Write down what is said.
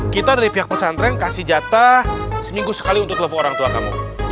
kita dari pihak pesantren kasih jatah seminggu sekali untuk telepon orang tua kamu